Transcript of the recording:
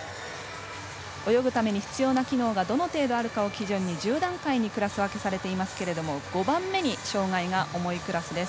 泳ぐために必要な機能がどのくらいあるかを基準に１０個に分けられていますが５番目に障がいが重いクラスです。